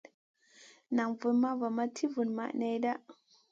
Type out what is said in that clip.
Naʼ vulmaʼ va ma ti vunmaʼ nèhda.